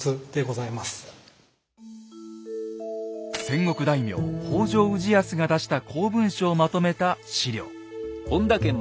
戦国大名北条氏康が出した公文書をまとめた史料。